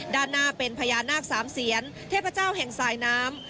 ด้านหน้าเป็นพญานาคสามเสียนเทพเจ้าแห่งสายน้ำ